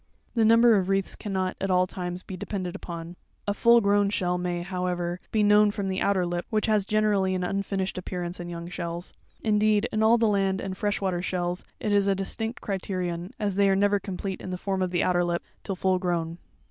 The number of wreaths cannot, at all times, be depended upon. A full grown shell may, however, be known from the outer lip, which has generally an unfinished appearance in young shells. Indeed, in all the land and fresh water shells, it is a distinct criterion, as they are never complete in the form of the outer lip, till full grown.